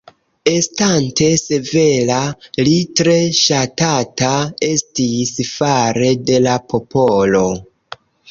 Estante severa li tre ŝatata estis fare de la popolo.